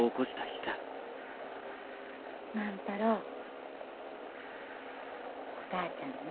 万太郎お母ちゃんね